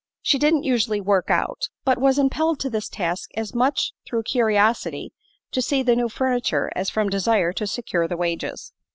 She didn't usually "work out," but was impelled to this task as much through curiosity to see the new furniture as from desire to secure the wages.